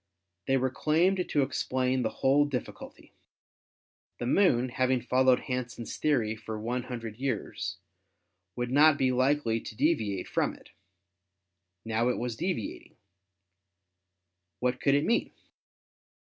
They were claimed to explain the whole difficulty. The Moon, having followed Hansen's theory for one hundred years, would not be likely to de viate from it. Now it was deviating. What could it mean?